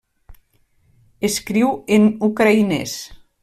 Escriu en ucraïnès.